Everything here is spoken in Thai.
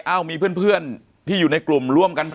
เอ้ามีเพื่อนที่อยู่ในกลุ่มร่วมกัน